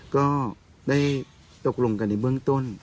ก็ได้ตกลงกันในเบื้องต้น